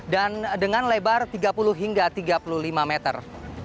dan dengan lebar tiga puluh hingga tiga puluh lima meter